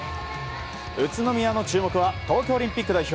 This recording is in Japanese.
宇都宮の注目は東京オリンピック代表